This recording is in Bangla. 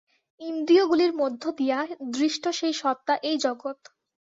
ইন্দ্রিয়গুলির মধ্য দিয়া দৃষ্ট সেই সত্তা এই জগৎ।